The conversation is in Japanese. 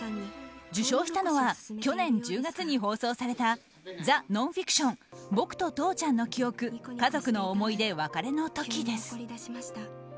受賞したのは去年１０月に放送された「ザ・ノンフィクションボクと父ちゃんの記憶家族の思い出別れの時」です。